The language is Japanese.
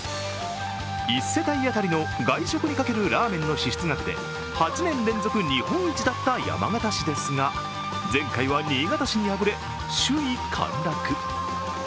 １世帯当たりの外食にかけるラーメンの支出額で８年連続日本一だった山形市ですが、前回は新潟市に敗れ首位陥落。